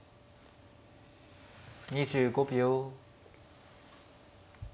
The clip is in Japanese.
２５秒。